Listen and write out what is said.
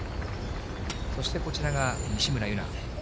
そしてこちらが西村優菜。